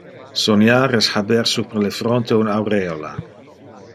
Soniar es haber super le fronte un aureola.